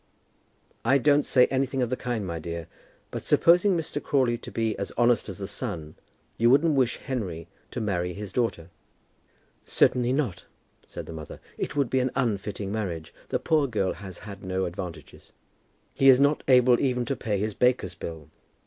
"I don't say anything of the kind, my dear. But supposing Mr. Crawley to be as honest as the sun, you wouldn't wish Henry to marry his daughter." "Certainly not," said the mother. "It would be an unfitting marriage. The poor girl has had no advantages." "He is not able even to pay his baker's bill.